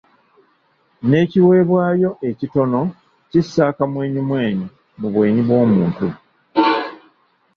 N'ekiweebwayo ekitono kissa akamwenyumwenyu mu bwenyi bw'omuntu.